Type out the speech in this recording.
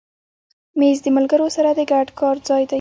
مېز د ملګرو سره د ګډ کار ځای دی.